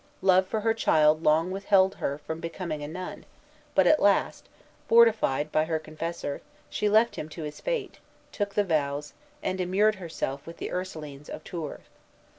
Love for her child long withheld her from becoming a nun; but at last, fortified by her confessor, she left him to his fate, took the vows, and immured herself with the Ursulines of Tours.